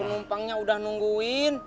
penumpangnya udah nungguin